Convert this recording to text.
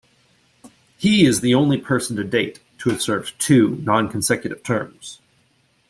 He is the only person to date to have served two nonconsecutive terms.